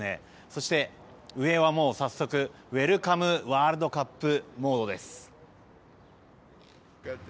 そして上はもう早速ウェルカムワールドカップモードです。